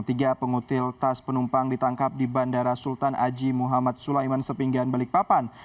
tiga pengutil tas penumpang ditangkap di bandara sultan haji muhammad sulaiman sepinggan balikpapan